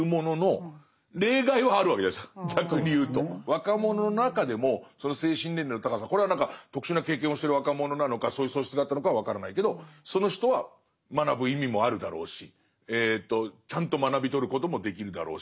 若者の中でも精神年齢の高さこれは特殊な経験をしてる若者なのかそういう素質があったのかは分からないけどその人は学ぶ意味もあるだろうしちゃんと学び取ることもできるだろうし。